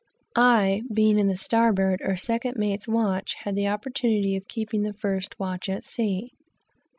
I being in the starboard or second mate's watch, had the opportunity of keeping the first watch at sea.